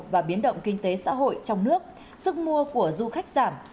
và biến động kinh tế xã hội trong nước sức mua của du khách giảm